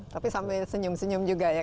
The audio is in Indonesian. tapi sampai senyum senyum juga ya